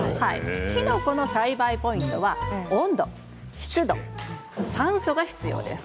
キノコの栽培ポイントは温度湿度、酸素が必要です。